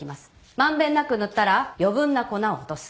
満遍なく塗ったら余分な粉を落とす。